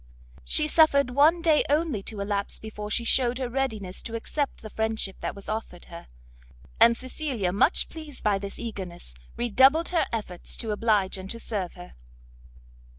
She suffered one day only to elapse before she shewed her readiness to accept the friendship that was offered her; and Cecilia, much pleased by this eagerness, redoubled her efforts to oblige and to serve her.